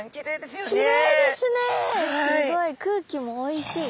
すごい空気もおいしい。